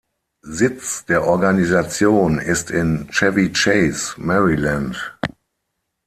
Sitz der Organisation ist in Chevy Chase, Maryland.